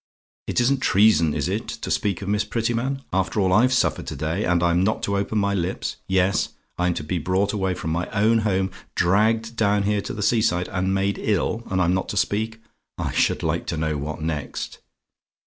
It isn't treason, is it, to speak of Miss Prettyman? After all I've suffered to day, and I'm not to open my lips! Yes; I'm to be brought away from my own home, dragged down here to the sea side, and made ill! and I'm not to speak. I should like to know what next.